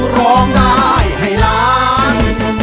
ร้องได้ให้ล้าน